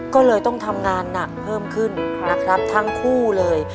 ก็เลยต้องทำงานหนักเพิ่มขึ้นนะครับทั้งคู่เลย